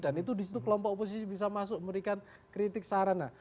dan itu disitu kelompok oposisi bisa masuk memberikan kritik sarana